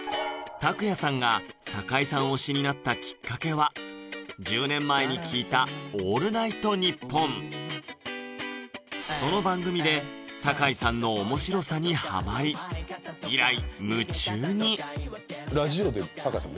たくやさんが酒井さん推しになったきっかけは１０年前に聴いたその番組で酒井さんの面白さにハマり以来夢中にラジオで酒井さん